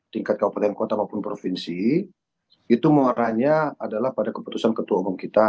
tingkat kabupaten kota maupun provinsi itu muaranya adalah pada keputusan ketua umum kita